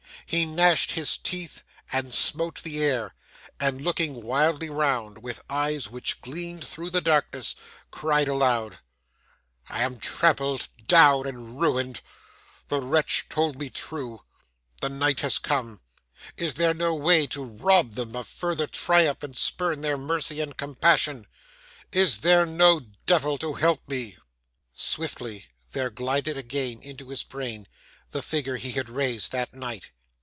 He gnashed his teeth and smote the air, and looking wildly round, with eyes which gleamed through the darkness, cried aloud: 'I am trampled down and ruined. The wretch told me true. The night has come! Is there no way to rob them of further triumph, and spurn their mercy and compassion? Is there no devil to help me?' Swiftly, there glided again into his brain the figure he had raised that night.